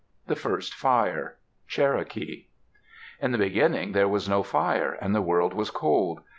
THE FIRST FIRE Cherokee In the beginning there was no fire and the world was cold.